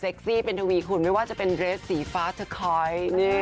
ซี่เป็นทวีคุณไม่ว่าจะเป็นเรสสีฟ้าเทอร์คอย